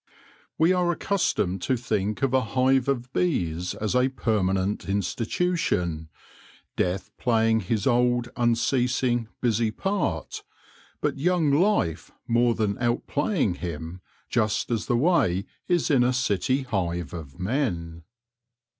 We are accustomed to think of a hive of bees as a permanent institution, Death playing his old, un ceasing, busy part, but young Life more than out playing him, just as the way is in a city hive of men.